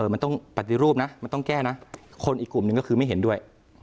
มันต้องปฏิรูปนะมันต้องแก้นะคนอีกกลุ่มหนึ่งก็คือไม่เห็นด้วย